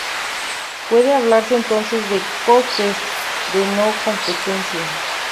Puede hablarse entonces de costes de no competencia.